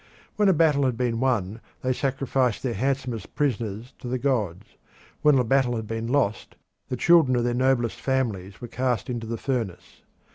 When a battle had been won they sacrificed their handsomest prisoners to the gods; when a battle had been lost the children of their noblest families were cast into the furnace.